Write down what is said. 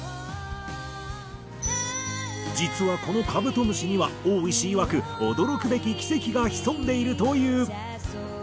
実はこの『カブトムシ』にはオーイシいわく驚くべき奇跡が潜んでいるという。